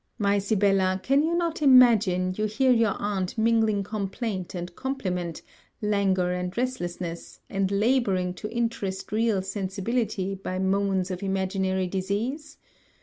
My Sibella, can you not imagine, you hear your aunt mingling complaint and compliment, languor and restlessness, and labouring to interest real sensibility by moans of imaginary disease?